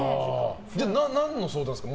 じゃあ何の相談ですか。